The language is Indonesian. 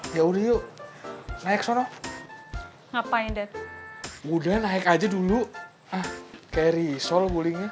yaudah yuk naik sana ngapain udah naik aja dulu carry sol